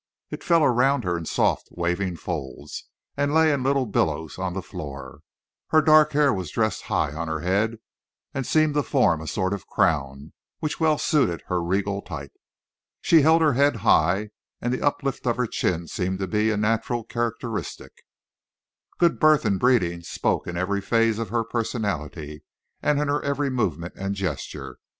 It fell around her in soft waving folds and lay in little billows on the floor. Her dark hair was dressed high on her head, and seemed to form a sort of crown which well suited her regal type. She held her head high, and the uplift of her chin seemed to be a natural characteristic. Good birth and breeding spoke in every phase of her personality, and in her every movement and gesture.